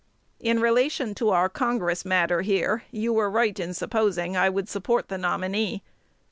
In relation to our Congress matter here, you were right in supposing I would support the nominee.